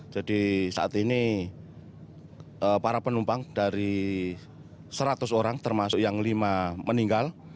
jadi saat ini para penumpang dari seratus orang termasuk yang lima meninggal